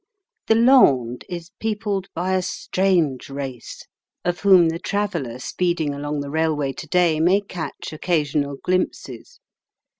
The Landes is peopled by a strange race, of whom the traveller speeding along the railway to day may catch occasional glimpses.